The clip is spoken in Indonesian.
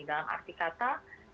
dalam arti kata